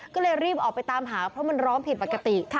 ก็เลยรีบออกไปตามหาเพราะมันร้องผิดปกติ